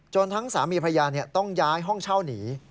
จนทั้งสามีพยานเนี่ยต้องย้ายห้องเช่าหนี